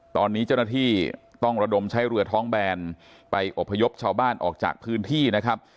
ตอนนี้เจ้าหน้าที่ต้องระดมใช้เรือท้องแบนไปอบพยพชาวบ้านออกจากพื้นที่นะครับ